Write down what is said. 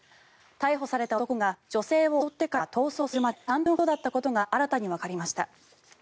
逮捕された男が女性を襲ってから逃走するまで３分ほどだったことが新たにわかりました。